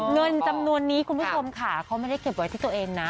เงินจำนวนนี้คุณผู้ชมค่ะเขาไม่ได้เก็บไว้ที่ตัวเองนะ